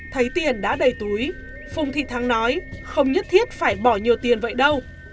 thấy tiền đã đầy túi phùng thị thắng nói không nhất thiết phải bỏ nhiều tiền vậy đâu